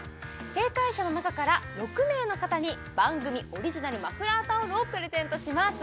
正解者の中から６名の方に番組オリジナルマフラータオルをプレゼントします